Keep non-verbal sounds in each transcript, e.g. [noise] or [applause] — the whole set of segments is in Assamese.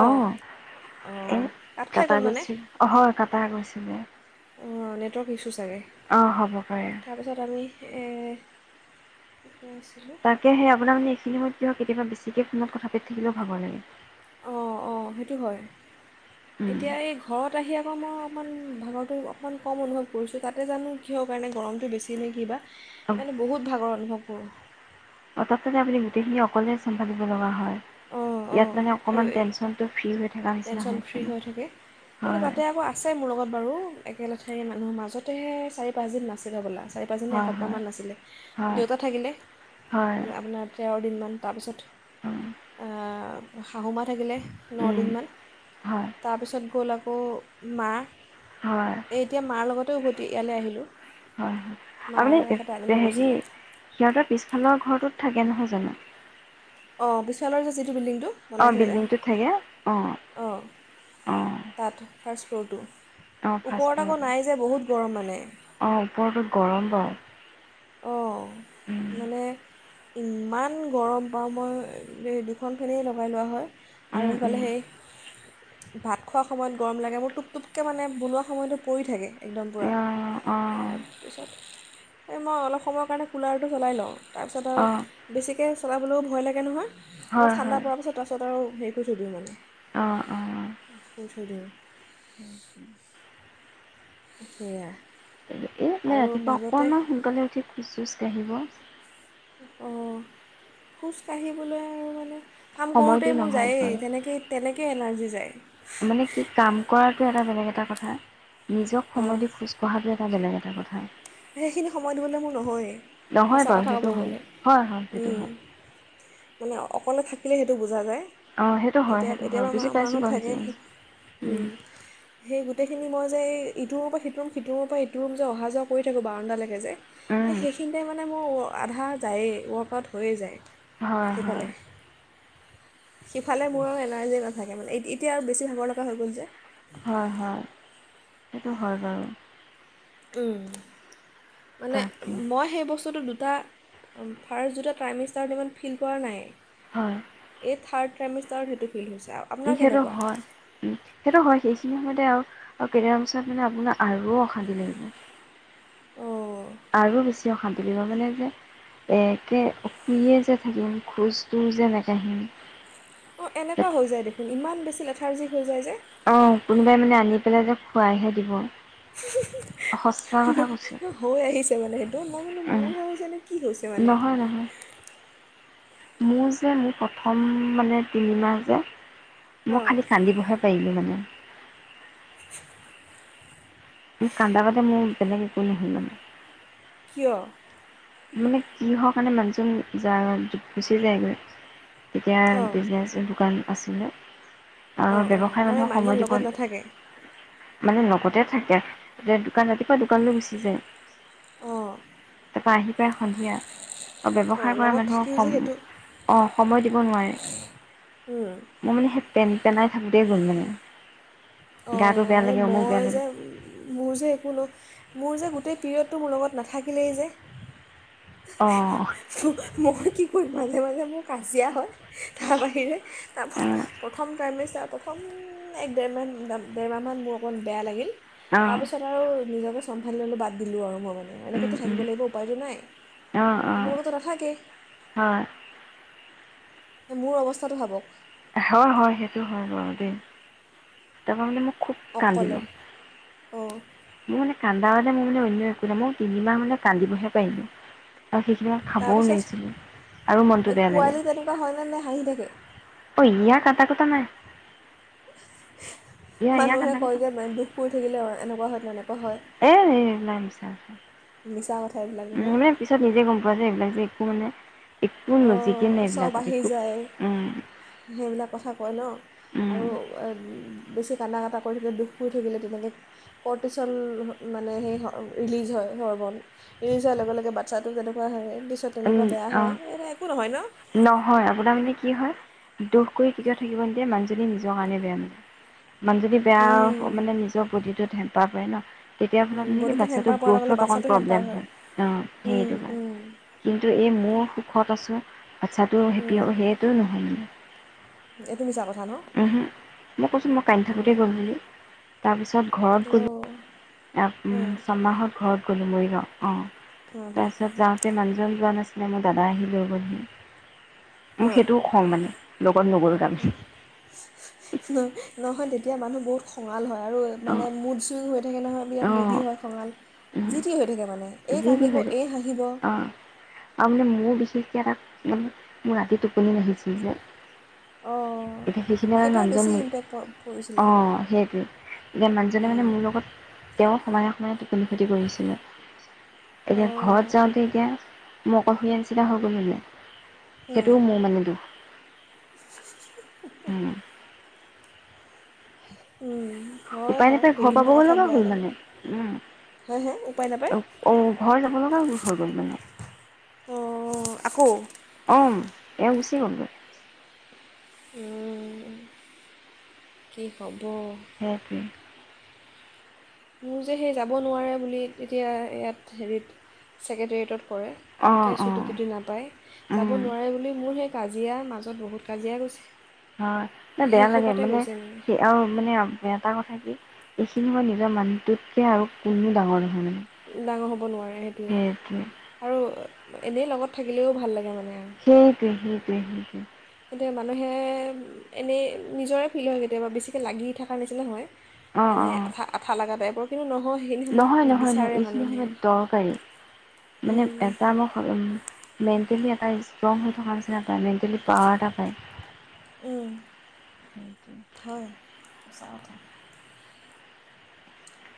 অঁ অ'। এ অঁ কাট খাই কাটা গ'ল মানে গৈছিল। অ' হয় কাটা গৈছিলে। অ' নেটৱৰ্ক ইছু অ' হ'ব পাৰে। এই তাকে সেই আপোনাৰ মানে, এইখিনি সময়ত কিহ কেতিয়াবা বি। গতিক ফোনত কথা পাতি থাকিলেও ভাব লাগে। অঁ অঁ সেইটো হয়। উম, এতিয়া এই ঘৰত আহি আকৌ মই। অকণমান ভাগৰটো অকণমান কম অনুভৱ কৰিছোঁ তাতে জানো কিহৰ কাৰণে গৰমটো বেছি নে কিবা। মে বহুত ভাগৰ অনুভৱ। গ। অ তাতে আপুনি গোটেইখিনি অকলে চম্ভালিব দিব লগা হয়। অঁ ইয়াত মানে অকণমান অঁ টেনচনটো ফ্ৰী হৈ, থকা নিচিনা টেনশ্যন হৈ হৈছে ফ্ৰী থাকে হয়। একেলেথাই মানুহ মাজতে চাৰি পাঁচদিন নাছিল হবলা। চাৰি পাঁচদি হয়, হয়, এসপ্তাহমান নাছিলে। হয়, দেউতা থাকিলে, হয়, আপোনাৰ তেৰ দিনমান। তাৰপিছত। উম। শাহুমা থাকিলে। ন উম, দিনমান, হয়, তাৰপিছত গ'ল আকৌ। মা। হয়, এ এতিয়া মাৰ লগতে উভ। ইয়ালৈ আহিলোঁ। হয় হয় মা আৰু মানে, এখেতে আনিব হেৰি গৈছিলে সিহঁতৰ পিছফালৰ ঘৰটোত। থাকে নহয় জানো। অঁ বিশালৰ যে যিটো বিল্ডিংটো, অ', বনাইছে যে বিল্ডিংটোত থাকে অ', অঁ, তাত। ফাৰ্ষ্ট ফ্ল'ৰটো। অঁ ফাৰ্ষ্ট ওপৰত আকৌ ফ্লৰটো, নাই যে বহুত গৰম মানে অঁ ওপৰতোত গৰম বাৰু। অঁ উম মানে। ইমান গৰম পাওঁ মই এই দুখন ফেনেই লগাই লোৱা হয়। আৰু উম এইফালে উম সেই। ভাত খোৱাৰ সময়ত গৰম লাগে মোৰ টোপটুপকে মানে বনোৱা সময়তো পৰি থাকে একদম পূৰা এয়া অ তাৰপিছত। এই মই অলপ সময়ৰ কাৰণে কুলাৰটো চলাই লওঁ, তাৰপিছত অ আৰু বেছিকৈ চলাবলৈও ভয় লাগে নহয়। হয় অলপ হয় ঠাণ্ডা পৰাৰ পাছত ত পাছত আৰু। সেই কৰি থৈ দিওঁ মানে। অ অ। সে থৈ দিওঁ। এই সেইয়া। এ ৰাতিপুৱা অকণমান সোনকালে উঠি খোজ চোজ আহিব অ খোজ কাঢ়িবলৈ আৰু মানে কাম সময়টো কৰোতে মোৰ নহয় বাৰু যায়েই তেনেকে তেনেকে এনাৰ্জি জি যায় মানে কি কাম কৰাটো এটা বেলেগ এটা কথা। নিজক অঁ সময় দি খোজ কঢ়াটোৱে এটা বেলেগ এটা কথা। সেইখিনি সময় দিবলৈ মোৰ নহয়েই নহয় সঁচা বাৰু কথা ক'ব সেইটো হয় গলে। হয় হয় সেইটো উম হয় মানে অকলে থাকিলে সেইটো বুজা যায়। অ সেইটো হয় এতিয়া সেইটো হয় এতিয়াবা মা বুজি পাইছোঁ মাহত বাৰু সেইটো থাকে। উম হুম, সেই গোটেইখিনি মই। যে ইটোৰ ৰুমৰ পৰা সিটো ৰুম সিটো ৰুম পৰা এইটো ৰুম যে অহা যোৱা কৰি থাকোঁ বাৰাণ্ডালৈকে যে সেই উম সেইখিনিতে মানে মোৰ ৱ- আধা যায়েই ৱৰ্ক আউট হৈয়ে যায়। হয় হয় সেইফালে সিফালে মোৰ আৰু এনাৰ্জি নাথাকে মানে এতিয়া আৰু বেছি ভাগৰ লগা হৈ গ'ল যে। হয় হয় সেইটো হয় বাৰু। উম মানে তাকে মই সেই বস্তুটো দু- তা ফাৰ্ষ্ট জোতা টাইম ষ্টাৰ্ত ইমান ফিল কৰা নাই। হয় এই থাৰ্ড ট্ৰেমিচ তৰ সেইটো ফিল হৈছে আ- আপোনাৰ সেইটো কেনেকুৱা হয় উম সেইটো হয় সেইখিনি সময়তে আও আৰু কেইদিনমান পিছত মানে আপোনাৰ আৰু অশান্তি লাগিব। অঁ আৰু বেছি অশান্তি লাগিব মানে যে একে শুইয়ে যে থাকিম খোজটো যে নেকাঢ়িম। অ এনেকুৱা হৈ যায় দেখোন ইমান বে- ছি লেথাৰ্জি হৈ যায় যে। অ কোনোবাই মানে আনি পেলাই যে খোৱাইহে দিব সঁচা কথা ন- কৈছো। হৈ আহিছে মানে সেইটো মই বোলো উম মোৰহে হৈছে নে কি হৈছে মানে নহয় নহয়। মোৰ যে মোৰ প্ৰথম মানে তিনিমাহ যে মই অঁ খালি কান্দিবহে পাৰিলো মানে [inaudible] কান্দা কাতে মোৰ বেলেগ একো নহল মানে কিয়? মানে কি হ কাৰণে মানুহজন যা গুচি যায় গৈ। এতিয়া অঁ বিজনেছ দোকান আছিলে। অঁ অঁ ব্যৱসায় মানে মানুহক মানুহজন সময় দিব। লগত নাথাকে মানে লগতে থাকে এতিয়া দোকান ৰাতিপুৱা দোকান লৈ গুচি যায়। অ। পা আহিব। ব সন্ধিয়া অ অঁ ব্যৱসায় কৰা লগত থাকিও যে সেইটো মানুহক অ। সময় দিব। নোৱাৰে মোৰ মানে সেই পেণ্ট পেনাই থাকোঁতে গ'ল মানে। অ গাটো বেয়া এই লাগে অমুক মই বেয়া লাগে যে মোৰ যে একো ন মোৰ যে গ। গোটেই পিৰিয়ডটো মোৰ লগত নাথাকিলেই যে। অঁ হে হে মই কি কৰিম। মাজে মাজে মোৰ কাজিয়া হয়। তাৰ বাহিৰে তাৰ প্ৰথম টাইমে চ একদম ডেৰ মমান। দেৰ মাহমান মোৰ অকণ বেয়া লাগিল। তাৰ অঁ পিছত আৰু নিজকে চম্ভালি ললোঁ বাদ দিলোঁ আৰু মই মানে এনেকেতো থাকিব লাগিব উপায়তটো নাই। অঁ অঁ তোমোৰ লগতো নাথাকে। হয়। এই মোৰ অৱস্থাটো ভাবক। হয় হয় সেইটো হয় বাৰু দেই। তাৰ পা মানে মো অকলে অঁ। মোৰ মানে কান্দা হলে মই মানে অন্যায় একো নাই। মই তিনিমাহ মানে কান্দিবহে পাৰিম। আৰু সেইখিনি খাবও তাৰপিছত লোৱাৰছিলোঁ আৰু মনটো এই বেয়া লাগে। অ পোৱালি তেনেকুৱা হয়নে নে হাঁহি থাকে ইয়াৰ কাতা কুতা নাই। ইয়া ইয়া মানুহে কান্দা কৈছ কয় যে দুখ কৰি থাকিলে এনেকুৱা হয় মানে। এ এ এইবিলাক মিছা কথা। মিছা কথা এইবিলাক উম নহয় মানে পিছত নিজে গম পোৱা যে এইবিলাক যে। মানে। একো লজিকে অঁ নাই চব এইবিলাকত আহি একো যায় উম সেইবিলাক কথা কয় ন, উম আৰু বেছি কানা কাটা কৰি থাকিলে দুখ পৰি থাকিলে তেনেকে, কৰৰ্টিচল মানে সেই হয় ৰিলিজ হয় হৰমন। ৰিলিজ হোৱাৰ লগে লগে বাচ্ছাটো তেনেকুৱা হে পিছত উম তেনেকুৱা বেয়া অ হয়। এটা একো ন নহয় আপোনাৰ মানে কি কি হয় দোষ কৰি কেতিয়াও থাকিব নিদিয়ে মানুহজনী নিজৰ কাৰণে বেয়া মানে। ইমান যদি উম, বেয়া মানে নিজৰ বডিটোত হেম্পাহৰ পৰে ন? তেতিয়াৰ ফালে উম, মানে কি বডিটোত বাচ্ছাটো হেম্পাৰ পৰাৰ লগে লগে গ্ৰোথত অকণ বাচ্ছাটো হেম্পাৰ প্ৰব্লেম হয়। অ উম, সেইটো কাৰণ। উম, কিন্তু এই মোৰ সুখত আছো বাচ্ছাটো হেপ্পী উম, আৰু সেইটো নহয় নি এইটো মিছা কথা ন ওহো মই কৈছোঁ মই কান্দি থাকোঁতেই গ'ল বুলি। তাৰপিছত ঘৰত গলোঁ অ অঁ ছমাহত ঘৰত কোনটো মৰিগাওঁ? অঁ হুম হুম তাৰপিছত যাওঁ। যোৱা নাছিলে আমাৰ দাদা আহি লৈ গ'ল বুলি। মোক হুম। সেইটোও খং মানে। লগত নগ'ল তাৰমানে ন নহয় তে তিয়া মানুহ বহুত খঙা ল হয় আৰু মানে অঁ মুড চুইং হৈ থাকে নহয়। বিৰাট অঁ মুডী হয় খঙাল যি তি হৈ থাকে মানে। এই যি তি কান্দিব হয়তো। এই হাঁহিব অ আৰু মানে মোৰ বেছি সেই তাত মানে মোৰ ৰাতি টোপনি নাহিছিল যে। অঁ এতিয়া সেইখিনি আৰু সেইটোৱে মানুহজন বেছি ইম্পেক্ট পৰিছিলে অহ সেইটোৱে এতিয়া মানুহজনে মানে উম। মোৰ লগত তেওঁক সময়ে-সময়ে টোপনি খতি কৰিছিলে। এতিয়া ঘৰত অঁ যাওঁতে এতিয়া মোক পাহৰিলে নিচিনা হৈ গলি নে? উম, সেইটোও মোৰ মানে দোষ। উম। হয় উপায় হয় নাপায় ঘৰ বিভিন্ন পাবগে কথাত লগা বেয়া হ'ল লাগে মানে। উম হে হে উপায় নাপায় অ ঘৰ যাব লগা হৈ গ'ল মানে অঁ আকৌ? অম এওঁ গুচি গ'লগে। উম কি ক'ম? হেপ্পী। মোৰ যে সেই যাব নোৱাৰে বুলি এতিয়া ইয়াত হেৰিত ছেক্ৰেটেৰিটত কৰে। অ পটকে অ চুটি তুটি নাপায়। উম যাব নোৱাৰে বুলি মোৰ সেই কাজিয়াৰ মাজত বহুত কাজিয়া গৈছে। হয়। নে বেয়া লাগে সেইসোপাতে মানে গৈছে স আৰু মানে এটা কথা কি এইখিনি মই নিজৰ মানোহটোতকে আৰু কোনোও ডাঙৰ নহয়। ডাঙৰ হ'ব নোৱাৰে সেইটোৱে। আৰু অ এনেই লগত থাকিলেও ভাল লাগে মানে আৰু সেইটোৱেই সেইটোৱেই সেইটোৱেই। এতিয়া মানুহে এনেই নিজৰে ফিলিং হয় কেতিয়াবা, বেছিকৈ লাগি থাকাৰ নিচিনা হয়। অ মানে অ আঠা আঠা লগা টাইপৰ কিন্তু নহয় সেইখিনি সময়ত নহয় নহয় নহয় বিচাৰে এইখিনি মানুহে সময়ত দৰকাৰী। মানে এটা ম মেণ্টেলি এটা ষ্ট্ৰং হৈ থকাৰ নিচিনা পায়, মেণ্টেলি পাৱাৰ এটা পায়। উম, হয়। সঁচা কথা।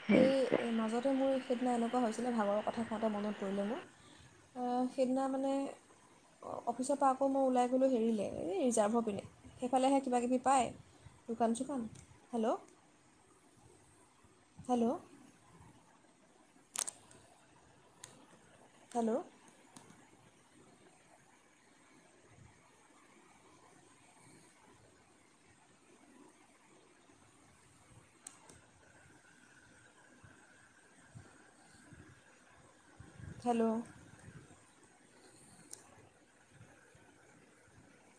সেই এই মাজতে মোৰ সেইদিনা এনেকুৱা হৈছিলে ভাগৰৰ কথা কওঁতে মনত পৰিলে মোৰ, এ সেইদিনা মানে অঁ অফিচৰ পৰা আকৌ মই ওলাই গ'লোঁ হেৰিলে এই ৰিজাৰ্ভৰ পিনে, সেইফালেহে কিবাকিবি পায় দোকান চোকান। হেল্ল' হেল্ল' হেল্ল' খালো অঁ।